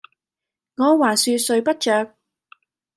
我橫豎睡不着，